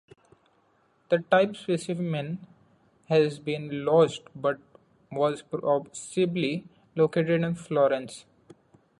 The type specimen has been lost but was possibly located in Florence.